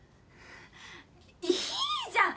いいじゃん。